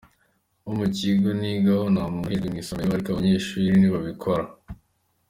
Nko mu kigo nigaho, nta muntu uhejwe mu isomero ariko abanyeshuri ntibabikora.